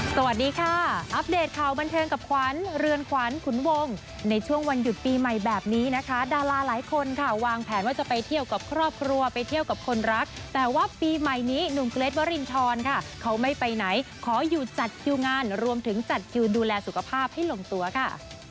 สวัสดีค่ะอัปเดตข่าวบันเทิงกับขวัญเรือนขวัญขุนวงในช่วงวันหยุดปีใหม่แบบนี้นะคะดาราหลายคนค่ะวางแผนว่าจะไปเที่ยวกับครอบครัวไปเที่ยวกับคนรักแต่ว่าปีใหม่นี้หนุ่มเกรทวรินทรค่ะเขาไม่ไปไหนขออยู่จัดคิวงานรวมถึงจัดคิวดูแลสุขภาพให้ลงตัวค่ะ